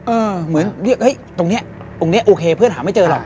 เหมือนเรียกตรงนี้ตรงนี้โอเคเพื่อนหาไม่เจอหรอก